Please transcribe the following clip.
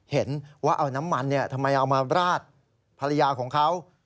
เห็นว่าเอาน้ำมันทำไมเอามาราดภรรยาของเขา